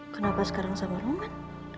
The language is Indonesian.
kenapa sekarang sama roman